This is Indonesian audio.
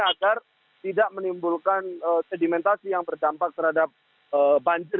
agar tidak menimbulkan sedimentasi yang berdampak terhadap banjir